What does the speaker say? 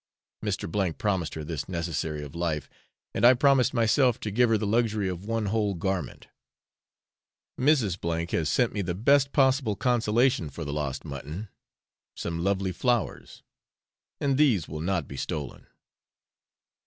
Mr. promised her this necessary of life, and I promised myself to give her the luxury of one whole garment. Mrs. has sent me the best possible consolation for the lost mutton, some lovely flowers, and these will not be stolen.